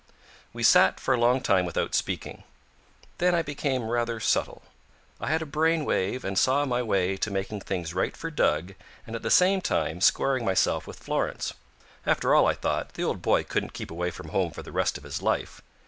We sat for a long time without speaking. Then I became rather subtle. I had a brain wave and saw my way to making things right for Dug and at the same time squaring myself with Florence. After all, I thought, the old boy couldn't keep away from home for the rest of his life.